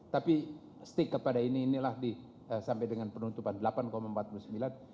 tapi stick kepada ini inilah sampai dengan penutupan delapan empat puluh sembilan